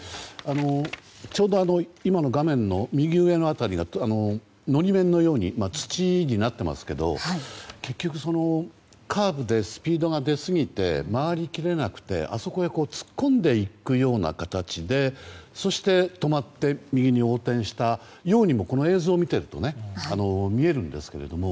ちょうど今の画面の右上の辺りが法面のように土になっていますけど結局、カーブでスピードが出すぎて曲がり切れなくてあそこへ突っ込んでいくような形でそして、止まって右に横転したようにもこの映像を見ていると見えるんですけども。